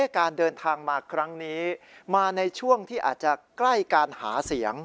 การเดินทางมาครั้งนี้มาในช่วงที่อาจจะใกล้การหาเสียง